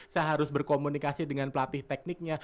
saya harus berkomunikasi dengan pelatih tekniknya